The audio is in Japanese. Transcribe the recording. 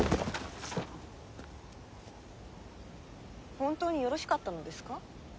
本当によろしかったのですか？